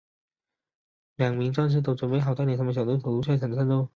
两名战士都准备好要带领他们的小队投入下一场战斗。